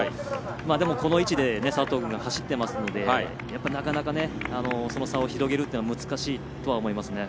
でも、この位置で佐藤君が走ってるので、なかなかその差を広げるというのは難しいと思いますね。